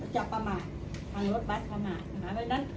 จะประมาททางรถบัสประมาท